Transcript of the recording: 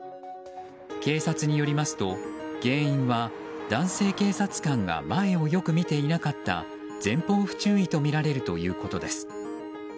警察によりますと原因は、男性警察官が前をよく見ていなかった前方不注意とみられるということです。